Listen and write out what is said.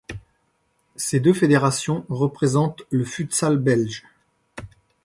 Ces deux fédérations représentent le futsal belge.